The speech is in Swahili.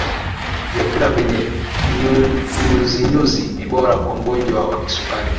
vyakula vyenye nyuzinyuzi ni bora kwa mgonjwa wa kisukari